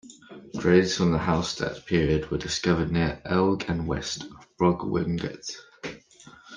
Graves from the Hallstatt period were discovered near Elgg and west of Bruggwingert.